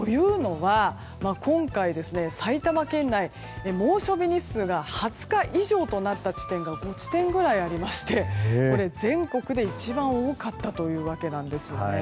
今回、埼玉県内で猛暑日日数が２０日以上となった地点が５地点ぐらいありまして全国で一番多かったんですね。